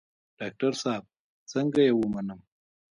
ډاکتر صاحب څنګه يې ومنم.